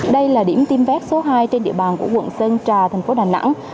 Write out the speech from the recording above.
đây là điểm tiêm vét số hai trên địa bàn của quận sơn trà thành phố đà nẵng